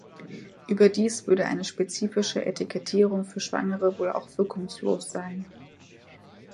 Überdies würde eine spezifische Etikettierung für Schwangere wohl auch wirkungslos sein.